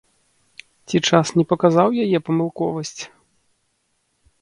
Ці час не паказаў яе памылковасць?